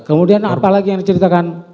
kemudian apa lagi yang diceritakan